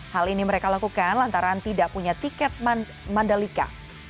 hal ini mereka lakukan lantaran tidak punya tiket mandalika